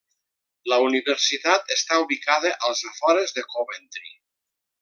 La Universitat està ubicada als afores de Coventry.